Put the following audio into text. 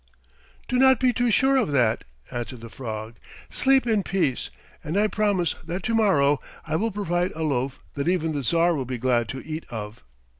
"Do not be too sure of that," answered the frog. "Sleep in peace, and I promise that to morrow I will provide a loaf that even the Tsar will be glad to eat of."